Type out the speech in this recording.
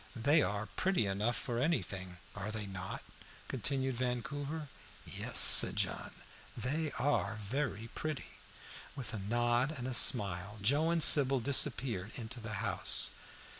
"They are pretty enough for anything, are they not?" continued Vancouver. "Yes," said John, "they are very pretty." With a nod and a smile Joe and Sybil disappeared into the house.